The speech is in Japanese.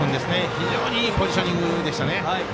非常にいいポジショニングでした。